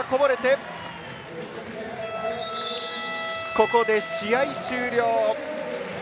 ここで試合終了。